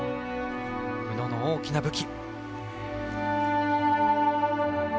宇野の大きな武器。